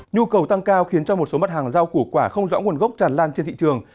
nhu cầu tăng cao khiến cho một số mặt hàng rau củ quả không rõ nguồn gốc tràn lan trên thị trường